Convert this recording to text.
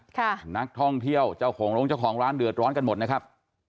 ค่ะนักท่องเที่ยวเจ้าของโรงเจ้าของร้านเดือดร้อนกันหมดนะครับ